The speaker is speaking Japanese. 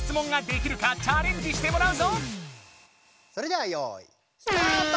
それではよいスタート！